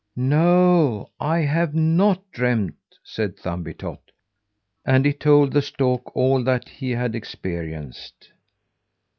"No! I have not dreamt," said Thumbietot, and he told the stork all that he had experienced.